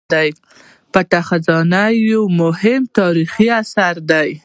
پټه خزانه یو مهم تاریخي اثر دی.